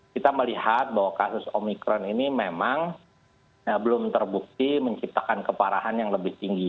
kita melihat bahwa kasus omikron ini memang belum terbukti menciptakan keparahan yang lebih tinggi